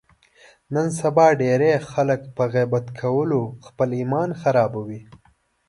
نن سبا ډېری خلک په غیبت کولو خپل ایمان خرابوي.